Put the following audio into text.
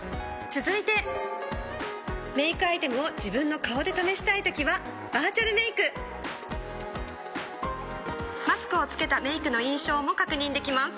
続いてメイクアイテムを自分の顔で試したいときは「バーチャルメイク」マスクを着けたメイクの印象も確認できます。